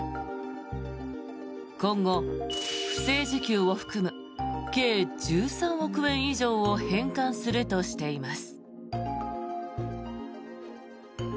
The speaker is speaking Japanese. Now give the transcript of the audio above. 今後、不正受給を含む計１３億円以上を返還するとしています。